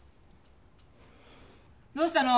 どうしたの？